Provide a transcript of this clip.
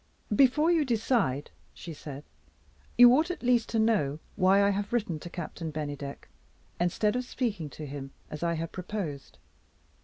"Before you decide," she said, "you ought at least to know why I have written to Captain Bennydeck, instead of speaking to him as I had proposed.